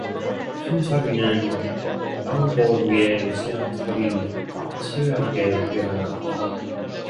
신철이는 양볼 위에 솜털이 까칠하게 일어났다.